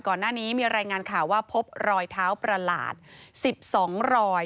ก่อนหน้านี้มีรายงานข่าวว่าพบรอยเท้าประหลาด๑๒รอย